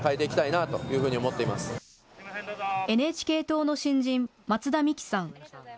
ＮＨＫ党の新人、松田美樹さん。